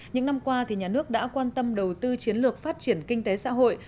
những năm qua nhà nước đã quan tâm đầu tư chiến lược phát triển kinh tế xã hội